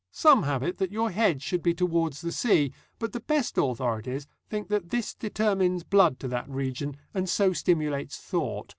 Some have it that your head should be towards the sea, but the best authorities think that this determines blood to that region, and so stimulates thought.